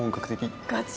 ガチ？